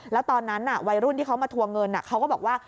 แล้วตอนนั้นวัยรุ่นที่เขามาทวงเงินเขาก็บอกว่า